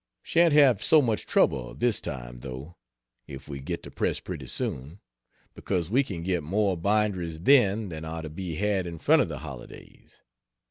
Shan't have so much trouble, this time, though, if we get to press pretty soon, because we can get more binderies then than are to be had in front of the holidays.